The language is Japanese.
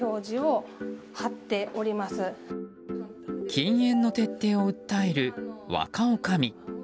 禁煙の徹底を訴える若おかみ。